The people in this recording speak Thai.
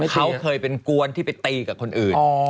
เขาเคยเป็นกวนที่ไปตีกับคนอื่น